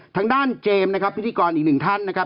ทางด้านเจมส์นะครับพิธีกรอีกหนึ่งท่านนะครับ